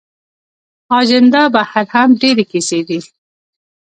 اجندا بهر هم ډېرې کیسې دي.